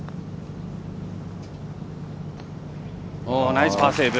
ナイスパーセーブ。